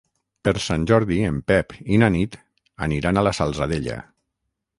Per Sant Jordi en Pep i na Nit aniran a la Salzadella.